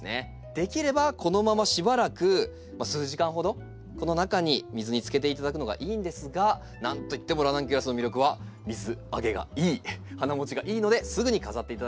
できればこのまましばらく数時間ほどこの中に水につけていただくのがいいんですが何といってもラナンキュラスの魅力は水揚げがいい花もちがいいのですぐに飾っていただいてかまいません。